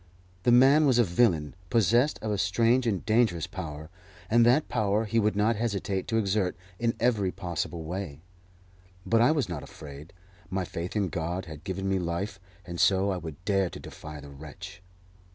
The man was a villain possessed of a strange and dangerous power, and that power he would not hesitate to exert in every possible way. But I was not afraid; my faith in God had given me life, and so I would dare to defy the wretch.